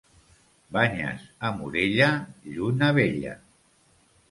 Banyes a Morella, lluna vella.